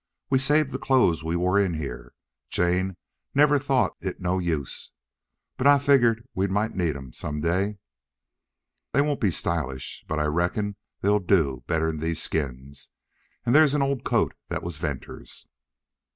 We saved the clothes we wore in here. Jane never thought it no use. But I figgered we might need them some day. They won't be stylish, but I reckon they'll do better 'n these skins. An' there's an old coat thet was Venters's."